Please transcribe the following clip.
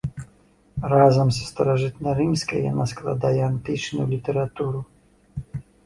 Разам са старажытнарымскай яна складае антычную літаратуру.